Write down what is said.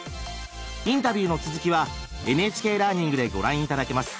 インタビューの続きはＮＨＫラーニングでご覧頂けます。